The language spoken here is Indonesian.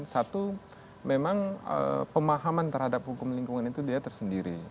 satu memang pemahaman terhadap hukum lingkungan itu dia tersendiri